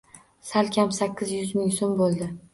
Sal kam sakkiz yuz ming soʻm boʻldi